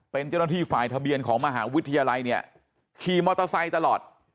เป็นเจ้าหน้าที่ฝ่ายทะเบียนของมหาวิทยาลัยเนี่ยขี่มอเตอร์ไซค์ตลอด